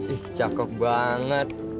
ih cakep banget